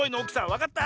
わかった？